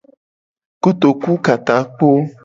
Kotoku ka takpo.